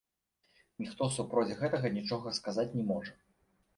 Ніхто супроць гэтага нічога сказаць не можа.